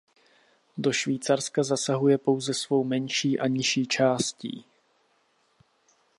Do Švýcarska zasahuje pouze svou menší a nižší částí.